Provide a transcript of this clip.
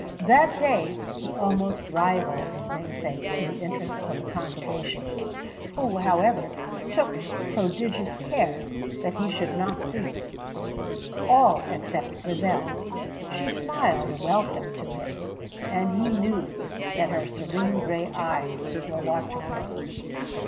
That day he almost rivalled his namesake in the interests of the congregation, who, however, took prodigious care that he should not see it all except Grizel; she smiled a welcome to him, and he knew that her serene gray eyes were watching him.